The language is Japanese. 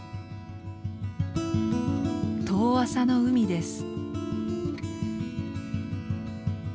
遠浅の海です。